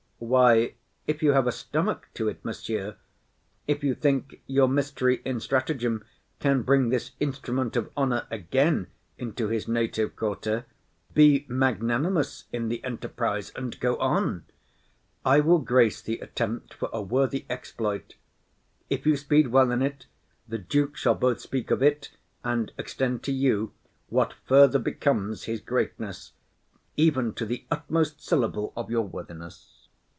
Why, if you have a stomach, to't, monsieur, if you think your mystery in stratagem can bring this instrument of honour again into his native quarter, be magnanimous in the enterprise, and go on; I will grace the attempt for a worthy exploit; if you speed well in it, the duke shall both speak of it and extend to you what further becomes his greatness, even to the utmost syllable of your worthiness.